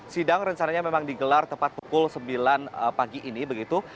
sidang rencananya memang digelar tepat pukul sembilan pagi ini begitu